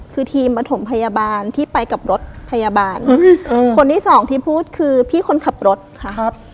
คือทีมประถมพยาบาลที่ไปกับรถพยาบาลคนที่สองที่พูดคือพี่คนขับรถค่ะครับ